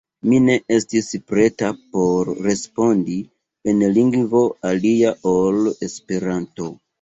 Mi ne estis preta por respondi en lingvo alia ol Esperanto.